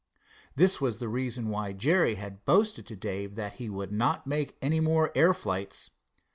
This was the reason why Jerry had boasted to Dave that he would not make any more air flights.